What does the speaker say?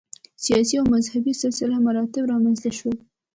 سیاسي او مذهبي سلسله مراتب رامنځته شول.